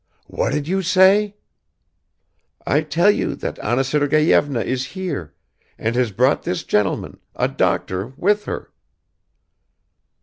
"What did you say?" "I tell you that Anna Sergeyevna is here and has brought this gentleman, a doctor, with her."